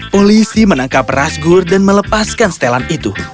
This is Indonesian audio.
polisi menangkap rasgur dan melepaskan setelan itu